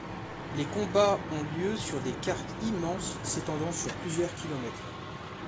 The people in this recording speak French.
Les combats ont lieu sur des cartes immenses s'étendant sur plusieurs kilomètres.